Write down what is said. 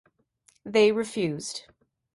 They refused.